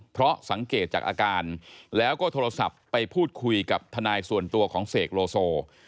เพราะสังเกตจากอาการแล้วก็โทรศัพท์ไปพูดคุยกับทนายส่วนตัวของเสกโลโซ